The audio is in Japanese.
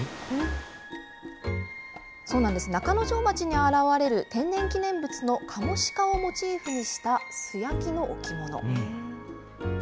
そうなんです、中之条町に現れる天然記念物のカモシカをモチーフにした素焼きの置物。